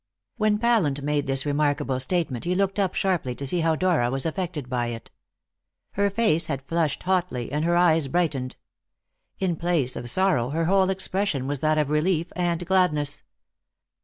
When Pallant made this remarkable statement he looked up sharply to see how Dora was affected by it. Her face had flushed hotly, and her eyes had brightened. In place of sorrow, her whole expression was that of relief and gladness.